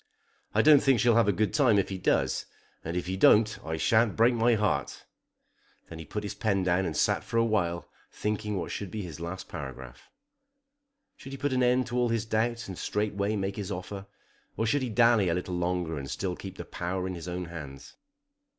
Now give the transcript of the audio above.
I don't think she'll have a good time if he does, and if he don't I sha'n't break my heart." Then he put his pen down and sat for a while thinking what should be his last paragraph. Should he put an end to all his doubts and straightway make his offer, or should he dally a little longer and still keep the power in his own hands?